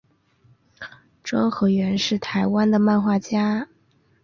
庄河源是台湾的漫画家。